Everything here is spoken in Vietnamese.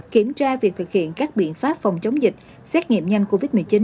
kiểm tra việc thực hiện các biện pháp phòng chống dịch xét nghiệm nhanh covid một mươi chín